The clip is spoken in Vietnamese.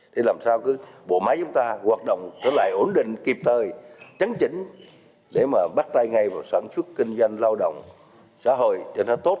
thì làm sao cứ bộ máy chúng ta hoạt động lại ổn định kịp thời chấn chính để mà bắt tay ngay vào sản xuất kinh doanh lao động xã hội cho nó tốt